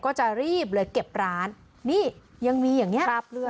ก็จะรีบเลยเก็บร้านนี่ยังมีอย่างเงี้คราบเลือด